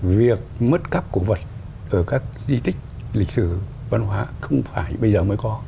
việc mất cắp cổ vật ở các di tích lịch sử văn hóa không phải bây giờ mới có